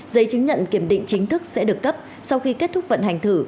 giấy chứng nhận kiểm định chính thức sẽ được cấp sau khi kết thúc vận hành thử